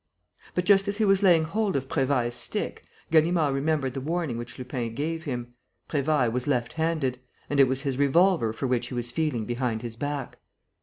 But, just as he was laying hold of Prévailles' stick, Ganimard remembered the warning which Lupin gave him: Prévailles was left handed; and it was his revolver for which he was feeling behind his back.